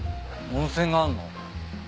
温泉があんの？